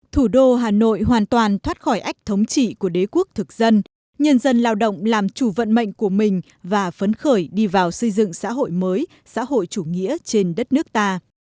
thủ đô hà nội hoàn toàn thoát khỏi ách thống trị của đế quốc thực dân nhân dân lao động làm chủ vận mệnh của mình và phấn khởi đi vào xây dựng xã hội mới xã hội chủ nghĩa trên đất nước ta